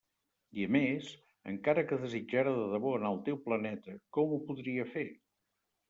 I a més, encara que desitjara de debò anar al teu planeta, com ho podria fer?